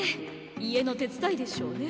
家の手伝いでしょうね。